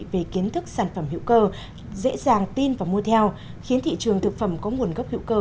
về kiến thức sản phẩm hữu cơ dễ dàng tin và mua theo khiến thị trường thực phẩm có nguồn gốc hữu cơ